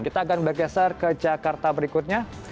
kita akan bergeser ke jakarta berikutnya